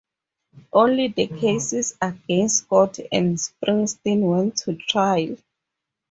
Only the cases against Scott and Springsteen went to trial.